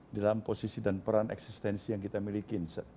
dalam posisi dan peran eksistensi yang kita miliki